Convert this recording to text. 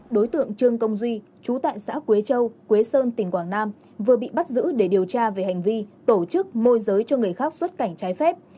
đối tượng trương công duy chú tại xã quế châu quế sơn tỉnh quảng nam vừa bị bắt giữ để điều tra về hành vi tổ chức môi giới cho người khác xuất cảnh trái phép